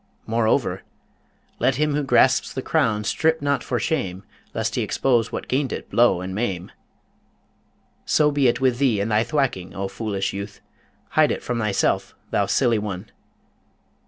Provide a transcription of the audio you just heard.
Moreover: "Let him who grasps the crown strip not for shame, Lest he expose what gain'd it blow and maim!" So be it with thee and thy thwacking, O foolish youth! Hide it from thyself, thou silly one!